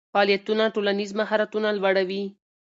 فعالیتونه ټولنیز مهارتونه لوړوي.